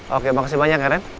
oke makasih banyak eren